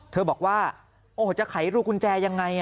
เธอบอกว่าโอ้จะไขรูกุญแจอย่างไร